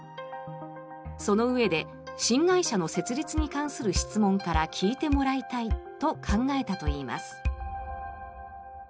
そのうえで新会社の設立に関する質問から聞いてもらいたいと考えたといいます。